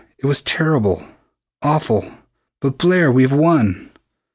It was terrible; awful. But, Blair, we've won!"